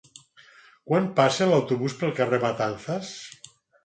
Quan passa l'autobús pel carrer Matanzas?